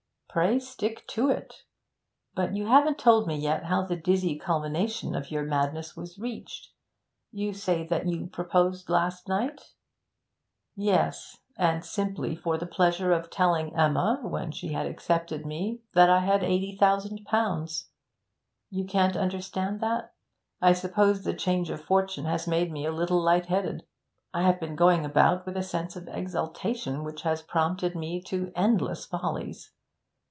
Pray stick to it. But you haven't told me yet how the dizzy culmination of your madness was reached. You say that you proposed last night?' 'Yes and simply for the pleasure of telling Emma, when she had accepted me, that I had eighty thousand pounds! You can't understand that? I suppose the change of fortune has made me a little light headed; I have been going about with a sense of exaltation which has prompted me to endless follies.